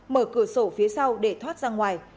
mở cửa sổ phía sau để thoát ra ngoài